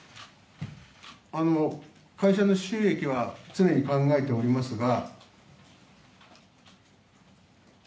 会社の収益は常に考えておりますが。